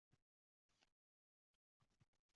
Laklangan poybzallar usti chiroyli.